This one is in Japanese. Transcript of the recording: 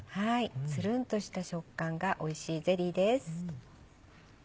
つるんとした食感がおいしいゼリーです。